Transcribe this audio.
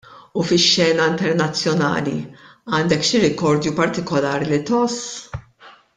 U fix-xena internazzjonali għandek xi rikordju partikolari li tgħożż?